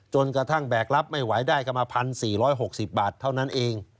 จนกระทั่งแบกรับไม่ไหวได้กันมา๑๔๖๐บาทเท่านั้นเอง